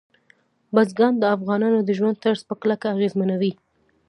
بزګان د افغانانو د ژوند طرز په کلکه اغېزمنوي.